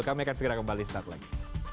kami akan segera kembali setelah itu